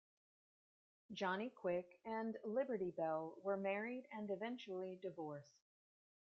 Johnny Quick and Liberty Belle were married and eventually divorced.